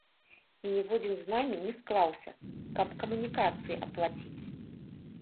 І ніводзін з намі не склаўся, каб камунікацыі аплаціць.